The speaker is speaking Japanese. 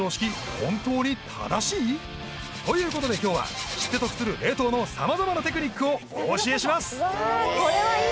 本当に正しい？ということで今日は知って得する冷凍の様々なテクニックをお教えします